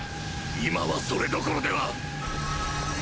今はそれどころでは。